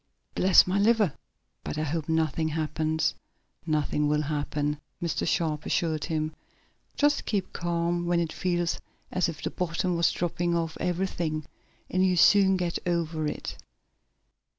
"Bless my liver, but I hope nothing happens." "Nothing will happen," Mr. Sharp assured him. "Just keep calm, when it feels as if the bottom was dropping out of everything and you'll soon get over it.